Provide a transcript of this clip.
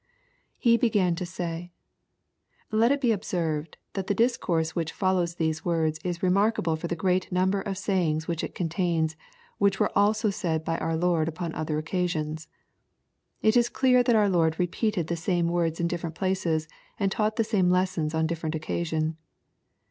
[He began to say.] Let it be observed, that the discourse which follows these words is remarkable for the great number of sayings which it contains which were also said by our Lord upon otiher occasions. It is clear that our Lord repeated the same words in different places, and taught the same lessons on different occasion.